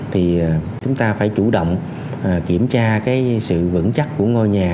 thì chúng ta phải chủ động kiểm tra cái sự vững chắc của ngôi nhà